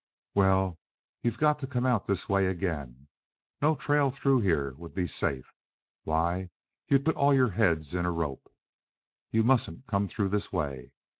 Well, you've got to come out this way again. No trail through here would be safe. Why, you'd put all your heads in a rope!... You mustn't come through this way.